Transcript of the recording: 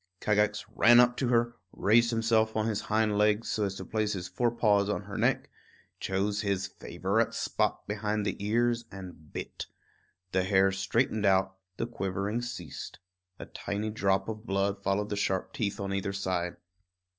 Kagax ran up to her; raised himself on his hind legs so as to place his fore paws on her neck; chose his favorite spot behind the ears, and bit. The hare straightened out, the quivering ceased. A tiny drop of blood followed the sharp teeth on either side.